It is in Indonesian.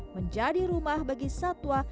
menjadi rumah bagi satwa